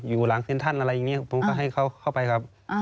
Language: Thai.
อยู่หลังเซ็นทรัลอะไรอย่างนี้ผมก็ให้เขาเข้าไปครับ